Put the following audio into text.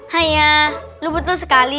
hayah lu betul sekali